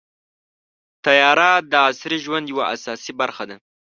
طیاره د عصري ژوند یوه اساسي برخه ده.